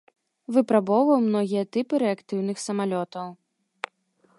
Выпрабоўваў многія тыпы рэактыўных самалётаў.